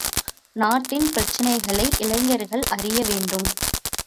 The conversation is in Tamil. நாட்டின் பிரச்சனைகளை இளைஞர்கள் அறிய வேண்டும்.